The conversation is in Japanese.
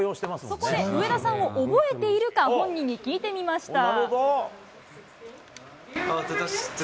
そこで、上田さんを覚えているか、本人に聞いてみました。